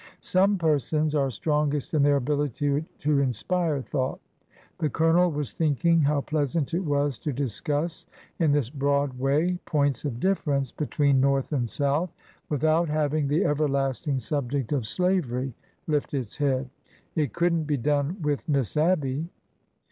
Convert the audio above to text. Some persons are strongest in their ability to inspire 102 ORDER NO. 11 thought. The Colonel was thinking how pleasant it was to discuss in this broad way points of difference between North and South without having the everlasting subject of slavery lift its head. It could n^t be done with Miss Abby.